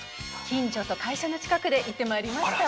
近所と会社の近くで行ってまいりました。